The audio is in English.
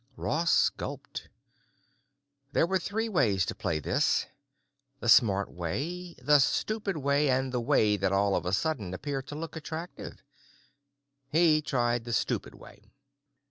Ross gulped. There were three ways to play this, the smart way, the stupid way, and the way that all of a sudden began to look attractive. He tried the stupid way.